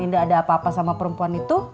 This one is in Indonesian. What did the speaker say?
ini gak ada apa apa sama perempuan itu